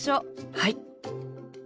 はい！